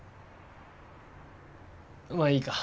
まあいいか。